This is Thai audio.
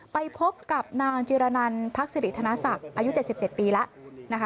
ไปพบกับนางจิรนันพักษิริธนศักดิ์อายุ๗๗ปีแล้วนะคะ